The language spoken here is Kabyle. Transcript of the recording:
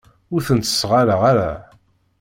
Ur sen-ttesɣaleɣ ara.